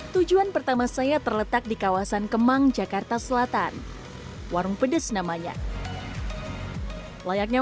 tujuan pertama saya terletak di kawasan kemang jakarta selatan warung pedes namanya layaknya